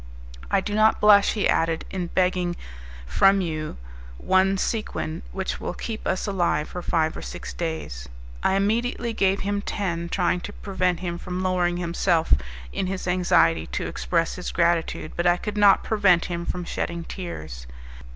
"I do not blush," he added, "in begging from you one sequin which will keep us alive for five or six days." I immediately gave him ten, trying to prevent him from lowering himself in his anxiety to express his gratitude, but I could not prevent him from shedding tears.